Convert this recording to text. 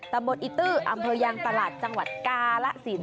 ตำบลอิตื้ออำเภอยางตลาดจังหวัดกาลสิน